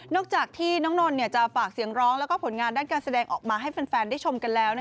จากที่น้องนนท์จะฝากเสียงร้องแล้วก็ผลงานด้านการแสดงออกมาให้แฟนได้ชมกันแล้ว